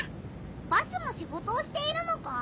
バスもシゴトをしているのか？